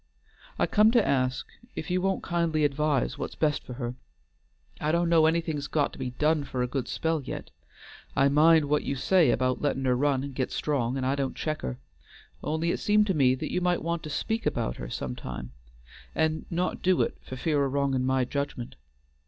I come to ask if you won't kindly advise what's best for her. I do' know's anything's got to be done for a good spell yet. I mind what you say about lettin' her run and git strong, and I don't check her. Only it seemed to me that you might want to speak about her sometimes and not do it for fear o' wronging my judgment.